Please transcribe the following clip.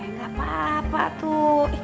gak apa apa tuh